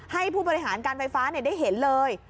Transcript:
ให้ผู้บริหารการไฟฟ้าได้เห็นเลย